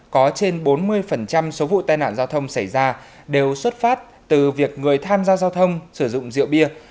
có trên bốn mươi số vụ tai nạn giao thông xảy ra đều xuất phát từ việc người tham gia giao thông sử dụng rượu bia